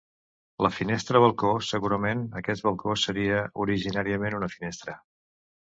La finestra-balcó, segurament aquest balcó seria originàriament una finestra.